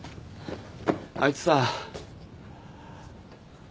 あいつさ。